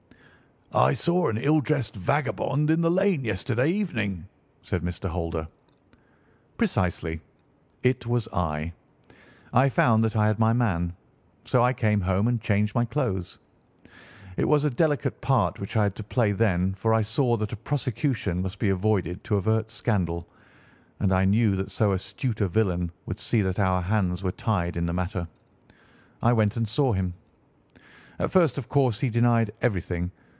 "I saw an ill dressed vagabond in the lane yesterday evening," said Mr. Holder. "Precisely. It was I. I found that I had my man, so I came home and changed my clothes. It was a delicate part which I had to play then, for I saw that a prosecution must be avoided to avert scandal, and I knew that so astute a villain would see that our hands were tied in the matter. I went and saw him. At first, of course, he denied everything.